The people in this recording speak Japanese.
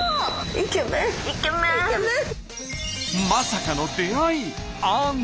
まさかの出会いアンド